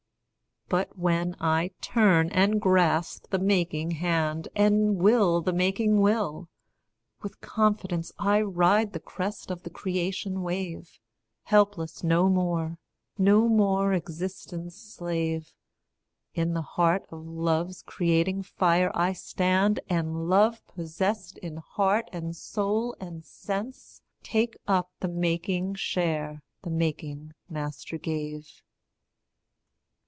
But when I turn and grasp the making hand, And will the making will, with confidence I ride the crest of the creation wave, Helpless no more, no more existence' slave; In the heart of love's creating fire I stand, And, love possessed in heart and soul and sense, Take up the making share the making Master gave.